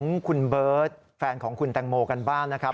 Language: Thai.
ของคุณเบิร์ตแฟนของคุณแตงโมกันบ้างนะครับ